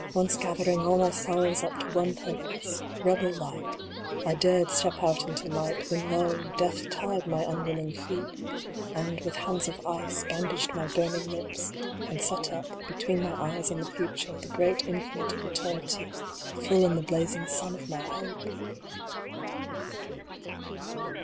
Once gathering all my sorrows up to one purpose rebel like I dared step out into Light, when, lo ! Death tied my unwilling feet, and with hands of ice, bandaged my burning lips, and set up, between my eyes and the Future, the great Infinite of Eternity, full in the blazing sun of my Hope